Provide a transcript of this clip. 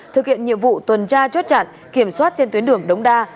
thực hiện nhiệm vụ tuần tra chốt chặn kiểm soát trên tuyến đường đống đa